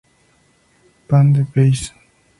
Pan de Peace!